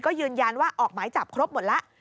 ก็ยืนยันว่าออกหมายจับครบหมดแล้ว